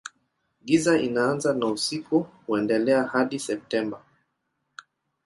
Giza inaanza na usiku huendelea hadi Septemba.